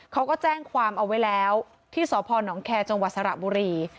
เขาก็แจ้งความเอาไว้แล้วที่สพนแคร์จังหวัดสระบุรี